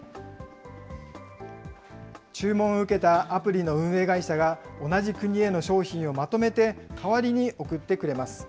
注文を受けたアプリの運営会社が同じ国への商品をまとめて代わりに送ってくれます。